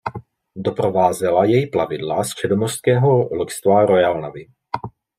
Doprovázela jej plavidla Středomořského loďstva Royal Navy.